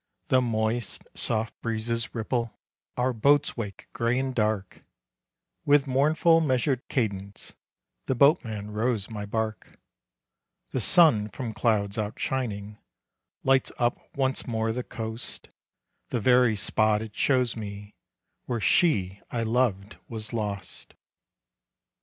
The moist, soft breezes ripple Our boat's wake gray and dark, With mournful measured cadence The boatman rows my bark. The sun from clouds outshining, Lights up once more the coast. The very spot it shows me Where she I loved was lost.